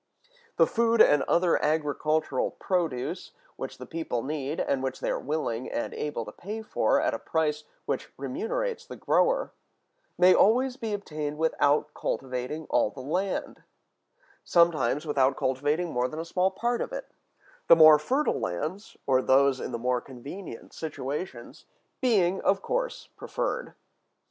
The food and other agricultural produce which the people need, and which they are willing and able to pay for at a price which remunerates the grower, may always be obtained without cultivating all the land; sometimes without cultivating more than a small part of it; the more fertile lands, or those in the more convenient situations, being of course preferred.